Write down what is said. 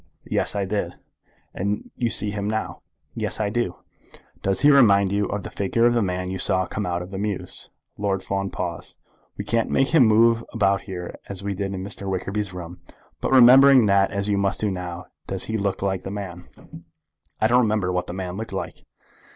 "Yes; I did." "And you see him now." "Yes, I do." "Does he remind you of the figure of the man you saw come out of the mews?" Lord Fawn paused. "We can't make him move about here as we did in Mr. Wickerby's room; but remembering that as you must do, does he look like the man?" "I don't remember what the man looked like."